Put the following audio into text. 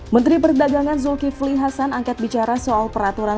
menteri perdagangan zulkifli hasan angkat bicara soal peraturan